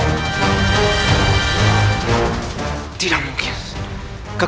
aku tak bisa